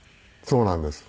そうなんです。